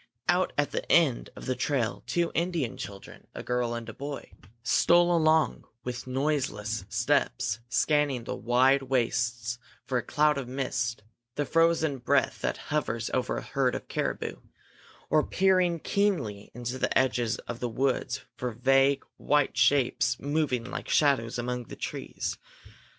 Out at the end of the trail two Indian children, a girl and a boy, stole along with noiseless steps, scanning the wide wastes for a cloud of mist the frozen breath that hovers over a herd of caribou or peering keenly into the edges of the woods for vague white shapes moving like shadows among the trees.